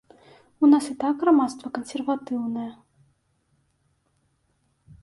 У нас і так грамадства кансерватыўнае.